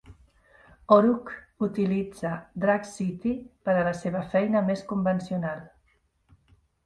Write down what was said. O'Rourke utilitza Drag City per a la seva feina més convencional.